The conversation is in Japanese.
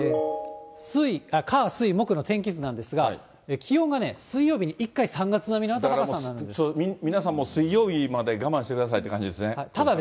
火、水、木の天気図なんですが、気温がね、水曜日に一回、皆さん、もう水曜日まで我慢してくださいって感じですね。